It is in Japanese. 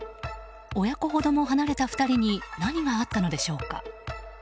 親子ほども離れた２人に何があったのでしょうか。